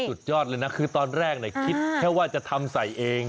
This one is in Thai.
สุดยอดเลยนะคือตอนแรกคิดแค่ว่าจะทำใส่เอง